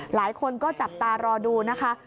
หลายคนก็จับตารอดูนะคะ